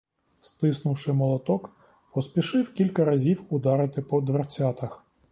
Стиснувши молоток, поспішив кілька разів ударити по дверцятах.